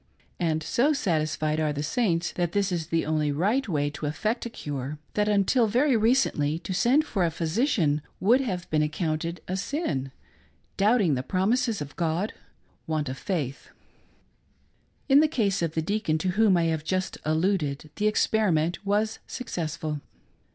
And so satisfied are the Saints that this is the only right way to effect a cure, that, until very recently, to send for a physician would have been accounted a sin — doubting the promises of God — want of faith. In the case of the deacon to whom I have just alluded, the experiment was successful.